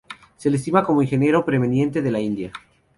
Se le estima como ingeniero preeminente de la India.